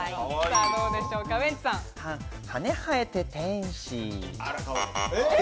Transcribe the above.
羽はえて天使。